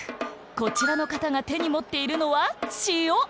こちらのかたがてにもっているのは塩！